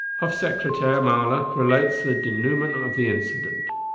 Hofsekretär Mahler relates the dénouement of the incident.